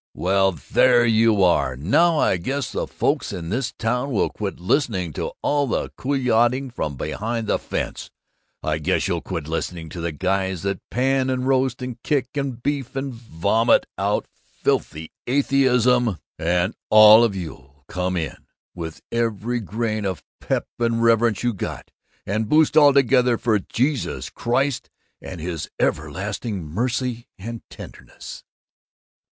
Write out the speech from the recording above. Well, there you are! Now I guess the folks in this man's town will quit listening to all this kyoodling from behind the fence; I guess you'll quit listening to the guys that pan and roast and kick and beef, and vomit out filthy atheism; and all of you'll come in, with every grain of pep and reverence you got, and boost all together for Jesus Christ and his everlasting mercy and tenderness!"